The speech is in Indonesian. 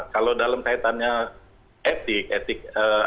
kalau dalam kaitannya etik